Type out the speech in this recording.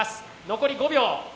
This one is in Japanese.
残り５秒。